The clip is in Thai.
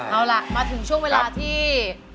เอาล่ะมาถึงช่วงเวลาที่